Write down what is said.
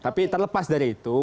tapi terlepas dari itu